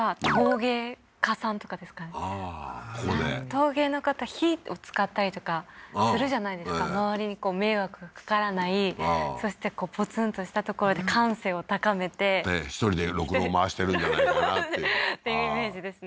陶芸の方火を使ったりとかするじゃないですか周りに迷惑がかからないそしてポツンとした所で感性を高めて１人でろくろを回してるんじゃないかなっていうっていうイメージですね